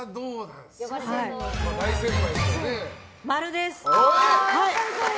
○です！